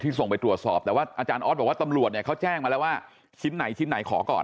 ส่งไปตรวจสอบแต่ว่าอาจารย์ออสบอกว่าตำรวจเนี่ยเขาแจ้งมาแล้วว่าชิ้นไหนชิ้นไหนขอก่อน